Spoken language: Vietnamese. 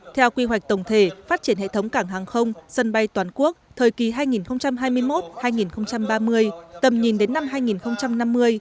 theo quy hoạch tổng thể phát triển hệ thống cảng hàng không sân bay toàn quốc thời kỳ hai nghìn hai mươi một hai nghìn ba mươi tầm nhìn đến năm hai nghìn năm mươi